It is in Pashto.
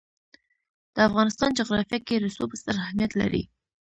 د افغانستان جغرافیه کې رسوب ستر اهمیت لري.